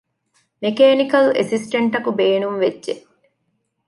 މެކޭނިކަލް އެސިސްޓެންޓަކު ބޭނުންވެއްޖެ